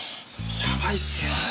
やばいっすよ。